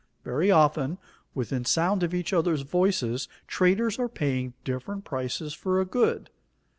Very often within sound of each other's voices traders are paying different prices for a good.